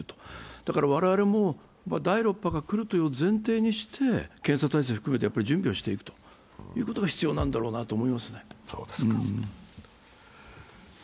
だから我々も第６波が来るということを前提にして、検査体制を含めて準備をしていくことが必要なんだと思います。